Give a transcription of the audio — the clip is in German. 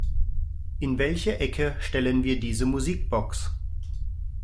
In welche Ecke stellen wir diese Musikbox?